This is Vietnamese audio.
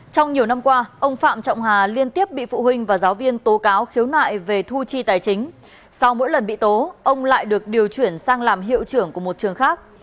trong nhiều năm qua ông phạm trọng hà liên tiếp bị phụ huynh và giáo viên tố cáo khiếu nại về thu chi tài chính sau mỗi lần bị tố ông lại được điều chuyển sang làm hiệu trưởng của một trường khác